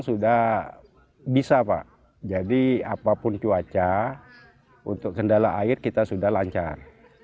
sudah bisa pak jadi apapun cuaca untuk kendala air kita sudah lancar